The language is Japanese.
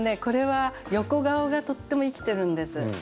これは「横顔」がとっても生きてるんです。